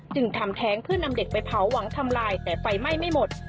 ทำแท้งเพื่อนำเด็กไปเผาหวังทำลายแต่ไฟไหม้ไม่หมด